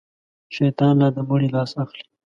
شيطان لا د مړي لاس اخلي.